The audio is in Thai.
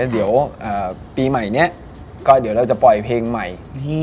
เดี๋ยวปีใหม่นี้ก็เดี๋ยวเราจะปล่อยเพลงใหม่